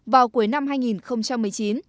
vào cuối năm hai nghìn một mươi chín